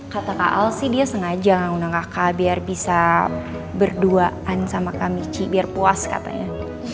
kata kaal sih dia sengaja ngundang kakak biar bisa berduaan sama kamichi biar puas katanya